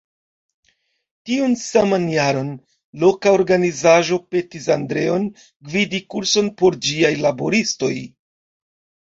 Tiun saman jaron, loka organizaĵo petis Andreon gvidi kurson por ĝiaj laboristoj.